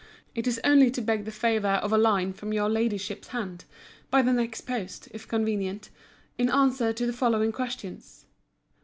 It is only to beg the favour of a line from your Ladyship's hand, (by the next post, if convenient,) in answer to the following questions: 1.